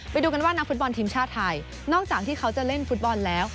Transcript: ไปดูกันว่านักฟุตบอลทีมชาติไทยนอกจากที่เขาจะเล่นฟุตบอลแล้ว